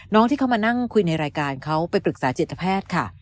ที่เขามานั่งคุยในรายการเขาไปปรึกษาจิตแพทย์ค่ะ